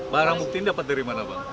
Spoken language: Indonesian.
barang bukti ini dapat dari mana bang